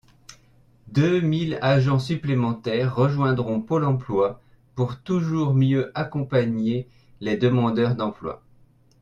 Deux mille agents supplémentaires rejoindront Pôle emploi pour toujours mieux accompagner les demandeurs d’emploi.